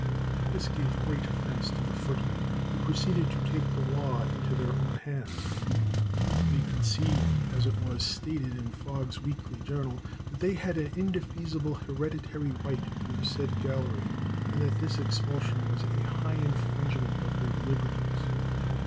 This gave great offence to the footmen, who proceeded to take the law into their own hands. "They conceived," as it was stated in Fog's Weekly Journal, "that they had an indefeasible hereditary right to the said gallery, and that this expulsion was a high infringement of their liberties."